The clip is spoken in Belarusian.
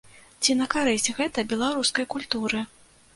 Ці на карысць гэта беларускай культуры?